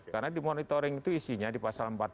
karena di monitoring itu isinya di pasal empat belas